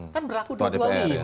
kan berlaku di dua puluh